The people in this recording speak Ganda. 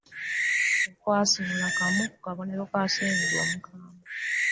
akwasimula kamu ku kabonero ka ssenyiga omukambwe.